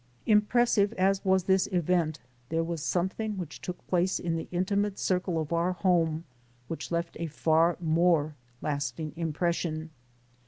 Impressive as was this event, there was something which took place in the intimate circle of our home which left a far more lasting impression.